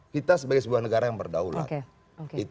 kita sebagai sebuah negara yang berdaulat